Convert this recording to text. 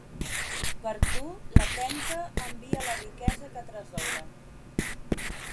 Per a tu la penca envia la riquesa que atresora.